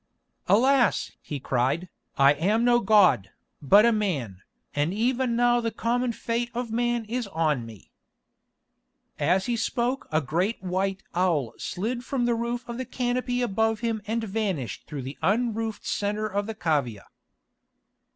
"Alas!" he cried, "I am no god, but a man, and even now the common fate of man is on me." As he spoke a great white owl slid from the roof of the canopy above him and vanished through the unroofed centre of the cavea.